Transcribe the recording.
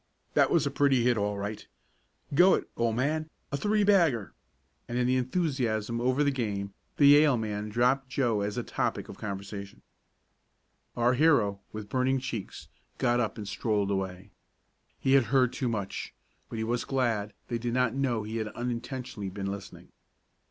That was a pretty hit all right. Go it, old man! A three bagger!" and in the enthusiasm over the game the Yale man dropped Joe as a topic of conversation. Our hero, with burning cheeks, got up and strolled away. He had heard too much, but he was glad they did not know he had unintentionally been listening.